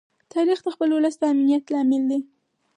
تاریخ د خپل ولس د امنیت لامل دی.